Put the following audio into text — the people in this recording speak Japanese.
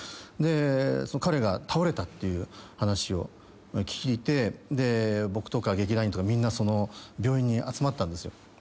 で彼が倒れたっていう話を聞いて僕とか劇団員とかみんなその病院に集まったんですよ。